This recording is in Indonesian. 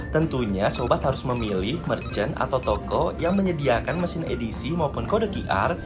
tentunya sobat harus memilih merchant atau toko yang menyediakan mesin edisi maupun kode qr